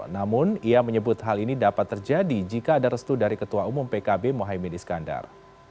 namun ia menyebut hal ini dapat terjadi jika ada restu dari ketua umum pkb mohaimin iskandar